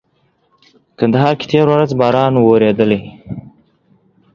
کندهار کي تيره ورځ باران ووريدلي.